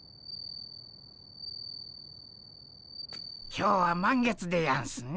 今日は満月でやんすね。